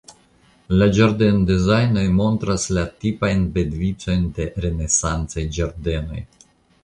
La ĝardendezajnoj montras la tipajn bedvicojn de renesancaj ĝardenoj.